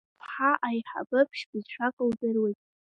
Сыԥҳа аиҳабы ԥшь-бызшәак лдыруеит…